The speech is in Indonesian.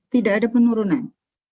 tidak ada penurunan